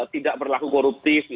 tidak berlaku koruptif